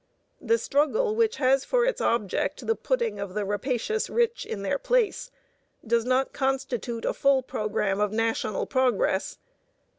The struggle which has for its object the putting of the rapacious rich in their place does not constitute a full programme of national progress.